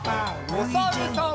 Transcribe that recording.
おさるさん。